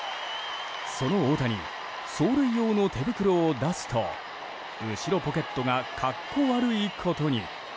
その大谷、走塁用の手袋を出すと後ろポケットが格好悪いことに。